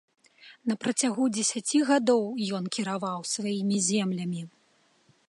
На працягу дзесяці гадоў ён кіраваў сваімі землямі.